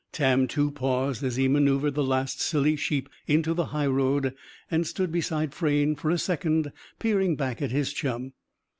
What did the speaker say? Tam, too, paused, as he manœuvred the last silly sheep into the highroad; and stood beside Frayne, for a second, peering back at his chum.